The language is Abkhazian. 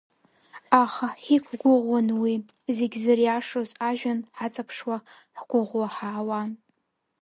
Аха ҳиқәгәыӷын уи, зегь зыриашоз, ажәҩан ҳаҵаԥшуа, ҳгәыӷуа ҳаауан.